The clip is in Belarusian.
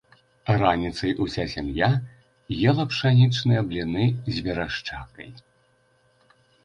Раніцай уся сям'я ела пшанічныя бліны з верашчакай.